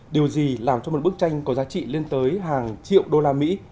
điều gì làm cho một bức tranh có giá trị lên tới hàng triệu đô la mỹ